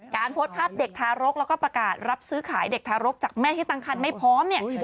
โพสต์ภาพเด็กทารกแล้วก็ประกาศรับซื้อขายเด็กทารกจากแม่ที่ตั้งคันไม่พร้อมเนี่ย